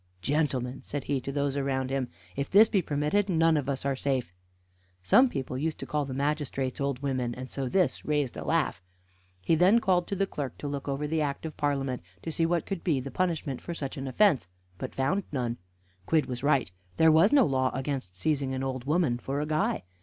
Gentlemen," said he to those around him, "if this be permitted none of us are safe." Some people used to call the magistrates old women, and so this raised a laugh. He then called to the clerk to look over the Act of Parliament to see what could be the punishment for such an offence, but found none. Quidd was right there was no law against seizing an old woman for a guy.